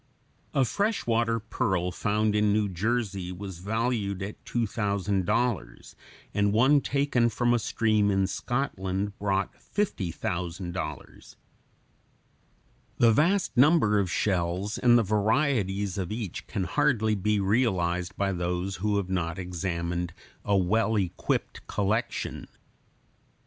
A fresh water pearl found in New Jersey was valued at $2000, and one taken from a stream in Scotland brought $50,000. [Illustration: FIG. 88. Giant clam.] The vast number of shells and the varieties of each kind can hardly be realized by those who have not examined a well equipped collection.